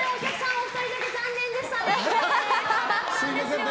お二人だけ残念でした。